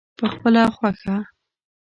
پخپله خوښه.